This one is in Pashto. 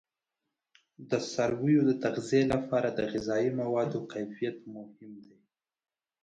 د څارویو د تغذیه لپاره د غذایي موادو کیفیت مهم دی.